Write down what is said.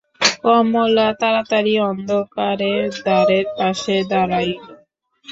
কমলা তাড়াতাড়ি অন্ধকারে দ্বারের পাশে দাঁড়াইল।